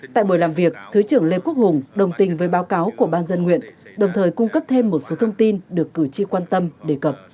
tại buổi làm việc thứ trưởng lê quốc hùng đồng tình với báo cáo của ban dân nguyện đồng thời cung cấp thêm một số thông tin được cử tri quan tâm đề cập